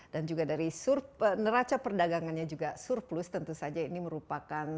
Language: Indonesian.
dan juga dari neraca perdagangannya juga surplus tentu saja ini merupakan